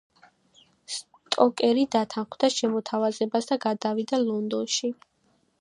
სტოკერი დათანხმდა შემოთავაზებას და გადავიდა ლონდონში.